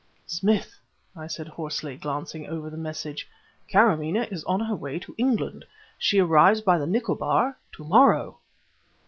"Smith!" I said hoarsely, glancing over the massage, "Kâramaneh is on her way to England. She arrives by the Nicobar to morrow!"